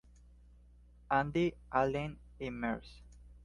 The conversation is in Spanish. Andi Halim y Mr.